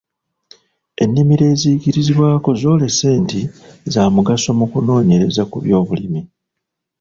Ennimiro eziyigirizibwako zoolese nti za mugaso mu kunoonyere za ku byobulimi.